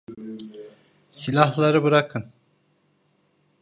Silahları bırakın!